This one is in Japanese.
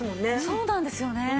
そうなんですよね。